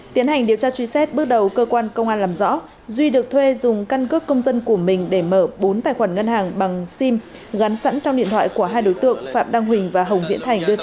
tiến hành điều tra truy xét bước đầu cơ quan công an làm rõ duy được thuê dùng căn cước công dân của mình để mở bốn tài khoản ngân hàng bằng sim gắn sẵn trong điện thoại của hai đối tượng phạm đăng huỳnh và hồng viễn thành